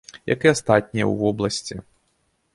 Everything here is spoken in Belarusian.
Як і астатнія ў вобласці.